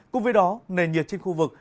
cùng với đó nền nhiệt trên khu vực